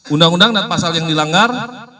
undang undang dan pasal yang dilanggar